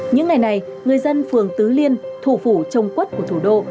những ngày này người dân phường tứ liên thủ phủ trông quất của thủ đô